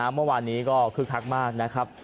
เมื่อวานนี้ก็คึกคักมากนะครับ